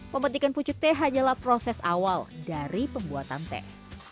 pemetikan pucuk teh hanyalah proses awal dari pembuatan teh